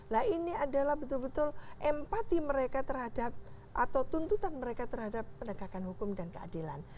nah ini adalah betul betul empati mereka terhadap atau tuntutan mereka terhadap penegakan hukum dan keadilan